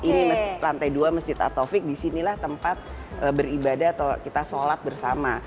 ini lantai dua masjid at taufik disinilah tempat beribadah atau kita sholat bersama